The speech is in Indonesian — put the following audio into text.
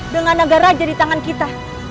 dengan agar raja di tangan kita